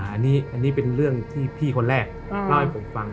อันนี้เป็นเรื่องที่พี่คนแรกเล่าให้ผมฟัง